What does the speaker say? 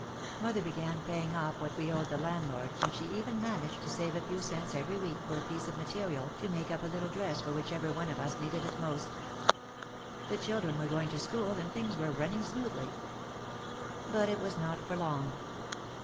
Mother began paying off what we owed the landlord and she even man aged to save a few cents every week for a piece of material to make up a little dress for whichever one of us needed it most. The children were going to school and things were running smoothly. But it was not for long.